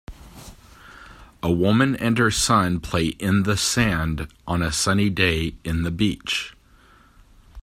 A woman and her son play in the sand on a sunny day in the beach.